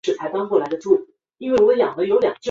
马凡氏症候群为一种遗传性结缔组织疾病。